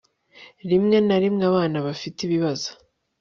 rimwe na rimwe abana bafite ibibazo